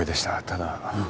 ただ。